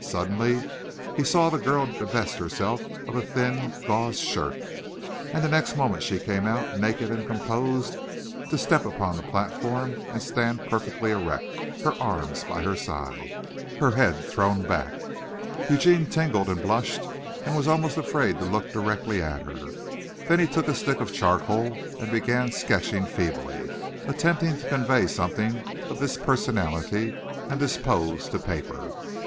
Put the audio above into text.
Suddenly he saw the girl divest herself of a thin, gauze shirt, and the next moment she came out, naked and composed, to step upon the platform and stand perfectly erect, her arms by her side, her head thrown back. Eugene tingled and blushed and was almost afraid to look directly at her. Then he took a stick of charcoal and began sketching feebly, attempting to convey something of this personality and this pose to paper.